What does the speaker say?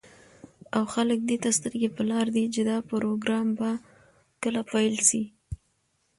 او خلك دېته سترگې په لار دي، چې دا پروگرام به كله پيل كېږي.